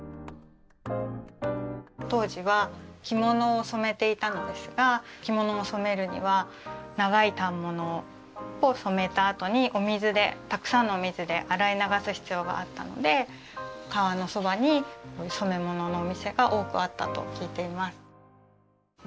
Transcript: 当時は着物を染めていたのですが着物を染めるには長い反物を染めたあとにお水でたくさんのお水で洗い流す必要があったので川のそばに染め物のお店が多くあったと聞いています。